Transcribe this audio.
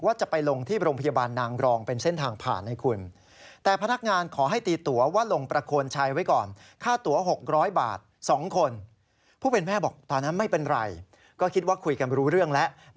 ว่าจะไปลงที่โรงพยาบาลนางรองเป็นเส้นทางผ่านให้คุณ